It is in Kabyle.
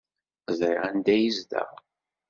Ẓriɣ anda ay yezdeɣ.